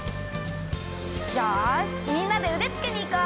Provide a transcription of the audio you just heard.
よしみんなで腕付けにいこう！